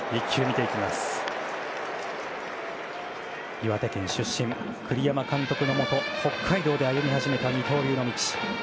岩手県出身栗山監督のもと北海道で歩み始めた二刀流の道。